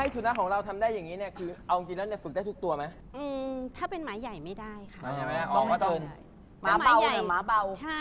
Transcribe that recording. เชิญค่ะขอเป็นต่อก่อนนะคะ